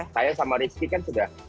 saya sama rizky kan sudah